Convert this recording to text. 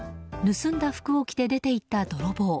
盗んだ服を着て出ていった泥棒。